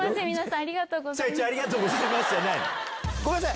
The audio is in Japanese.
ありがとうございますじゃない！